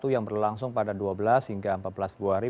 yang berlangsung pada dua belas hingga empat belas februari